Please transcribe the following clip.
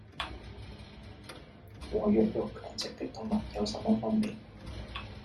和弱肉強食的動物有什麼分別